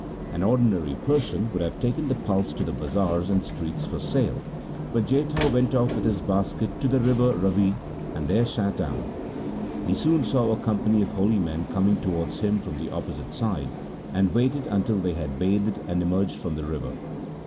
An ordinary person would have taken the pulse to the bazars and streets for sale, but Jetha went off with his basket to the river Ravi and there sat down. He soon saw a company of holy men coming towards him from the opposite side, and waited until they had bathed and emerged from the river.